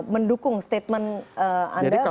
mendukung statement anda bang rico